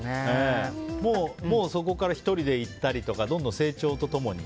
もうそこから１人で行ったりとか成長と共に？